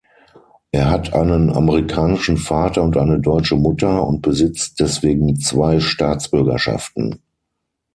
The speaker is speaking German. Er hat einen amerikanischen Vater und eine deutsche Mutter und besitzt deswegen zwei Staatsbürgerschaften.